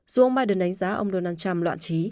dù ông biden đánh giá ông donald trump loạn trí